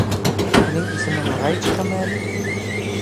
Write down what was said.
Һинең исемең Раечкамы әле?